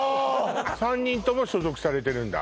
３人とも所属されてるんだ